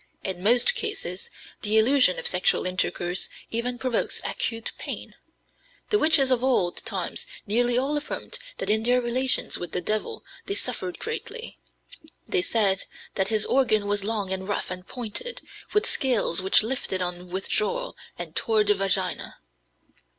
In most cases the illusion of sexual intercourse even provokes acute pain. The witches of old times nearly all affirmed that in their relations with the devil they suffered greatly. They said that his organ was long and rough and pointed, with scales which lifted on withdrawal and tore the vagina."